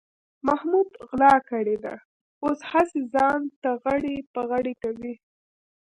محمود غلا کړې ده، اوس هسې ځان تغړې پغړې کوي.